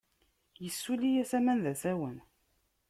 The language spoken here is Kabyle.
Issuli-as aman d asawen.